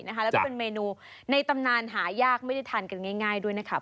แล้วก็เป็นเมนูในตำนานหายากไม่ได้ทานกันง่ายด้วยนะคะ